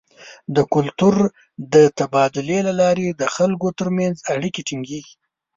د کلتور د تبادلې له لارې د خلکو تر منځ اړیکې ټینګیږي.